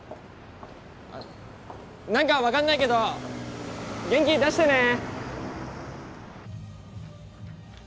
あっなんか分かんないけど元気出してね！